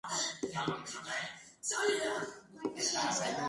Así mismo, fueron masacrados por los guerrilleros decenas de miles de congoleños.